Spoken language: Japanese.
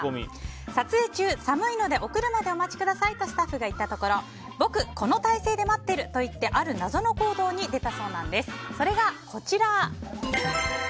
撮影中寒いのでお車でお待ちくださいとスタッフが言ったところ僕、この体勢で待っていると言ってある謎の行動に出たそうです。